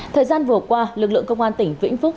thời gian vừa qua lực lượng công an tỉnh vĩnh phúc